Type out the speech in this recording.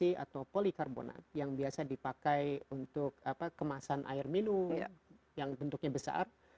ini atau polikarbonat yang biasa dipakai untuk kemasan air minum yang bentuknya besar